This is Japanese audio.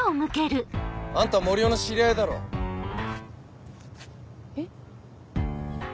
あんた森生の知り合いだろ？えっ？